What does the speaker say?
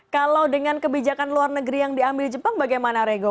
kalau dengan kebijakan luar negeri yang diambil jepang bagaimana rego